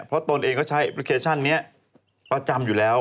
เพราะตนเองก็ใช้แอปพลิเคชันนี้ประจำอยู่แล้ว